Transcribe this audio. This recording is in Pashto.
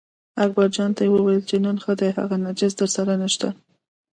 اکبرجان ته یې وویل چې نن ښه ده هغه نجس درسره نشته.